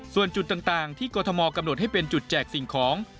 ส่วนจุดต่างที่กรทมกำหนดให้เป็นจุดแจกสิ่งของ